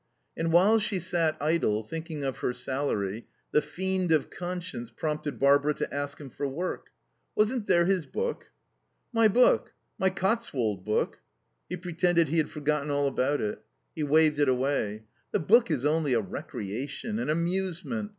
And while she sat idle, thinking of her salary, the fiend of conscience prompted Barbara to ask him for work. Wasn't there his book? "My book? My Cotswold book?" He pretended he had forgotten all about it. He waved it away. "The book is only a recreation, an amusement.